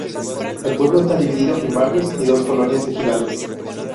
El pueblo está dividido en "barrios" y dos colonias ejidales.